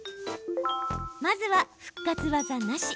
まずは復活ワザなし。